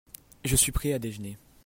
Je suis prêt à déjeuner.